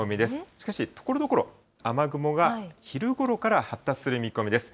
しかし、ところどころ雨雲が昼ごろから発達する見込みです。